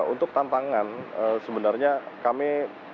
untuk tantangan sebenarnya kami